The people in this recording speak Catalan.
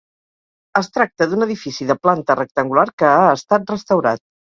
Es tracta d'un edifici de planta rectangular que ha estat restaurat.